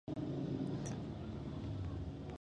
ازادي راډیو د ټرافیکي ستونزې په اړه د بریاوو مثالونه ورکړي.